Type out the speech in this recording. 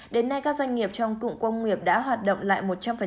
đến nay các doanh nghiệp trong cụm công nghiệp đã hoạt động lại một trăm linh